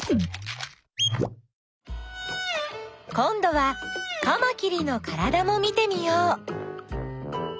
こんどはカマキリのからだも見てみよう。